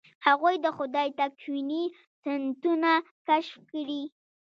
هغوی د خدای تکویني سنتونه کشف کړي.